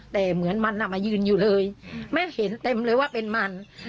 แต่เหมือนมันมายืนอยู่เลยแม่เห็นเต็มเลยว่าเป็นมัน